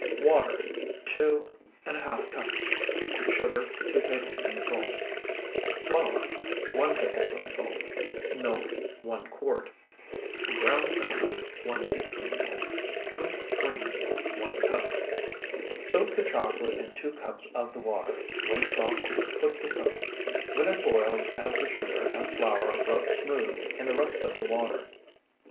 Water, 2½ cups. Sugar, 2 tablespoonfuls. Flour, 1 tablespoonful. Milk, 1 quart. Ground cinnamon, 1 teaspoonful. Whipped cream, 1 cup. Soak the chocolate in two cups of the water; when soft put to cook; when it boils add the sugar and flour rubbed smooth in the rest of the water.